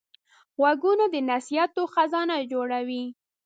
غوږونه د نصیحتو خزانه جوړوي